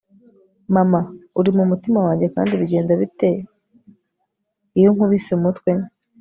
mama, uri mumutima wanjye, kandi bigenda bite iyo nkubise umutwe